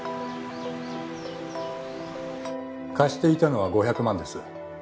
貸していたのは５００万です。